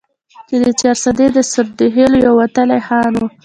چې د چارسدي د سردرخيلو يو وتلے خان وو ،